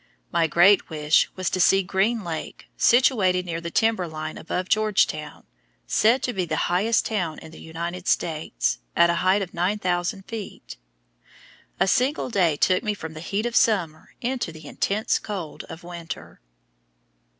My great wish was to see Green Lake, situated near the timber line above Georgetown (said to be the highest town in the United States), at a height of 9,000 feet. A single day took me from the heat of summer into the intense cold of winter.